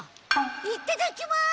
いただきます！